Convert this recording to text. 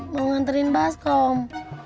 mau nganterin baskom